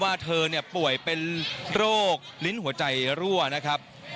ว่าเธอป่วยเป็นโรคลิ้นหัวใจรั่วนะครับ